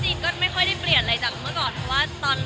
จริงก็ไม่ค่อยได้เปลี่ยนอะไรจากเมื่อก่อน